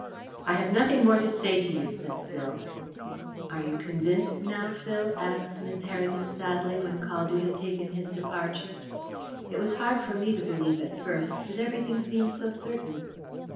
"I have nothing more to say to you," said Phil. "Are you convinced now, Phil?" asked Miss Heredith sadly, when Caldew had taken his departure. "It was hard for me to believe at first, but everything seems so certain."